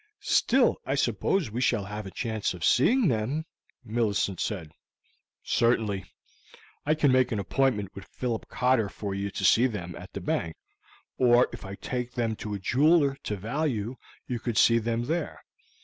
"Still I suppose we shall have a chance of seeing them?" Millicent said. "Certainly. I can make an appointment with Philip Cotter for you to see them at the bank; or if I take them to a jeweler to value, you could see them there.